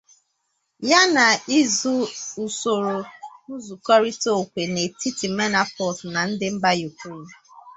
yana izo usoro nzụkọrịta okwe n’etiti Menafort na ndị mba Yukren.